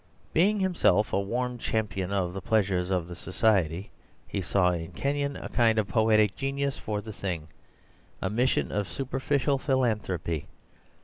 Being himself a warm champion of the pleasures of society, he saw in Kenyon a kind of poetic genius for the thing, a mission of superficial philanthropy.